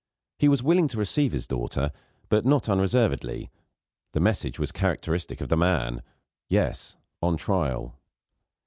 He was willing to receive his daughter, but not unreservedly. The message was characteristic of the man: "Yes on trial."